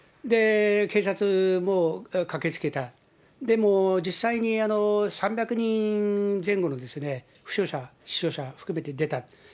警察も駆けつけた、でも実際に３００人前後の負傷者、死傷者含めて出た。